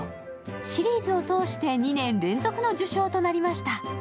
シリーズを通して２年連続の受賞となりました。